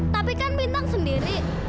tapi kan bintang sendiri